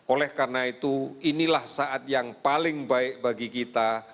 oleh karena itu inilah saat yang paling baik bagi kita